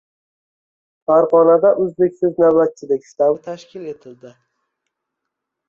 Farg‘onada uzluksiz navbatchilik shtabi tashkil etildi